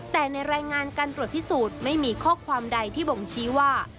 แต่ในรายงานการตรวจพิสูจน์ไม่มีข้อความใดที่บ่งชี้ว่า